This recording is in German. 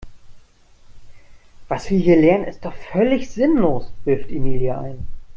Was wir hier lernen ist doch völlig sinnlos, wirft Emilia ein.